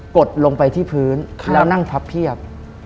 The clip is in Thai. ดลงไปที่พื้นแล้วนั่งพับเพียบ